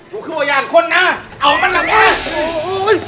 กูคือบรรยาณคนหน้าเอามากันแหละ